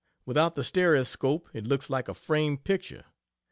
Without the stereoscope it looks like a framed picture.